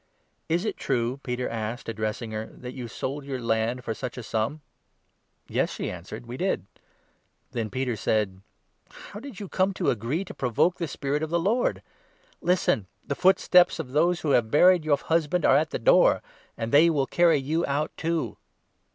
"Is it true," Peter asked, addressing her, "that you sold 8 your land for such a sum ?"" Yes," she answered, " we did." Then Peter said :" How did you come to agree to provoke 9 the Spirit of the Lord ? Listen ! The foot steps of those who have buried your husband are at the door ; and they will carry you out too."